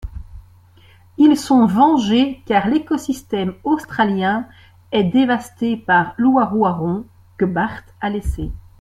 Ils sont vengés car l'écosystème australien est dévasté par l'Ouaouaron que Bart a laissé.